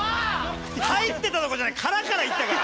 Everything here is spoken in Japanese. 入ってたとかじゃないカラからいったから。